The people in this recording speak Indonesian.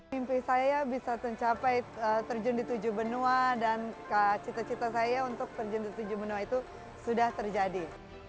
mimpi saya bisa tercapai terjun di tujuh benua dan cita cita saya untuk terjun ke tujuh benua itu sudah terjadi